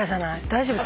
大丈夫？